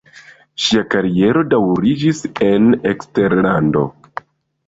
Ŝia kariero daŭriĝis en eksterlando.